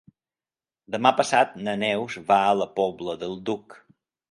Demà passat na Neus va a la Pobla del Duc.